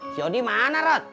siudin mana rat